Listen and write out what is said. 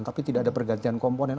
tapi tidak ada pergantian komponen